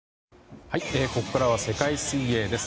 ここからは世界水泳です。